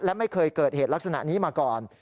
และไม่เคยเกิดเหตุลักษณะนี้มาก่อน